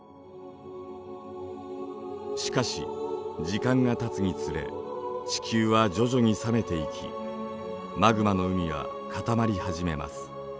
しかし時間がたつにつれ地球は徐々に冷めていきマグマの海は固まり始めます。